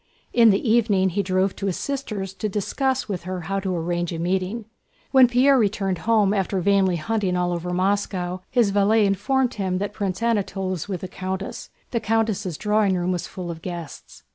In the evening he drove to his sister's to discuss with her how to arrange a meeting. When Pierre returned home after vainly hunting all over Moscow, his valet informed him that Prince Anatole was with the countess. The countess' drawing room was full of guests.